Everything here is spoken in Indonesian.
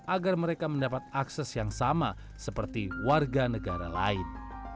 agar mereka mendapat akses yang sama seperti warga negara lain